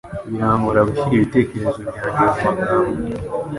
Birangora gushyira ibitekerezo byanjye mumagambo.